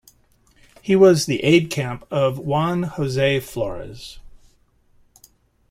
He was the aide-camp of Juan Jose Flores.